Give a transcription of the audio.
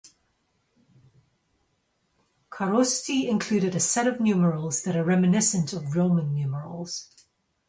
Kharosthi included a set of numerals that are reminiscent of Roman numerals.